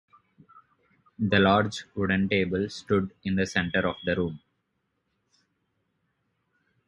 The large, wooden table stood in the center of the room.